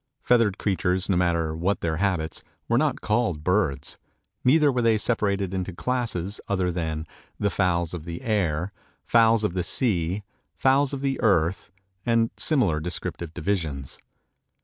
Feathered creatures, no matter what their habits, were not called birds, neither were they separated into classes other than the "Fowls of the Air," "Fowls of the Sea," "Fowls of the Earth," and similar descriptive divisions.